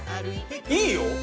いいよ。